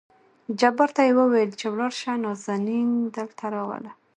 جبار ته يې ووېل چې ولاړ شه نازنين دلته راوله.